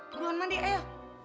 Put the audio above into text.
beruan mandi ayo